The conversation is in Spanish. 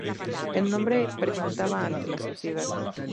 El hombre representaba ante la sociedad.